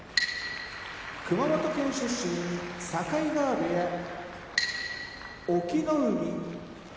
熊本県出身境川部屋隠岐の海